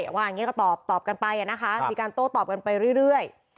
ว่าอย่างนี้ก็ตอบกันไปนะคะมีการโต้ตอบกันไปเรื่อย